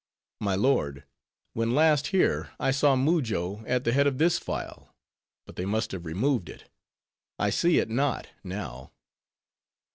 "My lord, when last here, I saw Mujo at the head of this file; but they must have removed it; I see it not now."